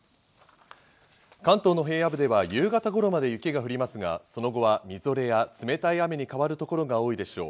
関東の平野部では夕方頃まで雪が降りますが、その後は、みぞれや冷たい雨に変わるところが多いでしょう。